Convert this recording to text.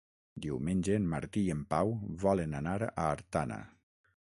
Diumenge en Martí i en Pau volen anar a Artana.